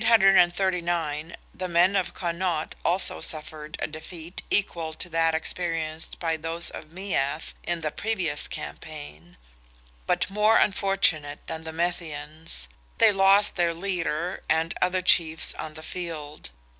In 839 the men of Connaught also suffered a defeat equal to that experienced by those of Meath in the previous campaign; but more unfortunate than the Methians, they lost their leader and other chiefs on the field.